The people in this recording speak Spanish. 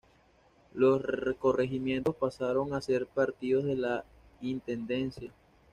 Los corregimientos pasaron a ser partidos de la intendencia.